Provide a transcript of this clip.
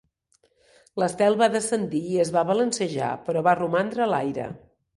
L'estel va descendir i es va balancejar, però va romandre a l'aire.